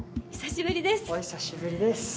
お久しぶりです。